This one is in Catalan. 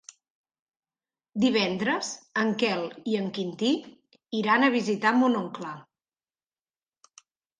Divendres en Quel i en Quintí iran a visitar mon oncle.